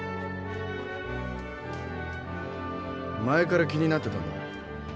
前から気になってたんだ。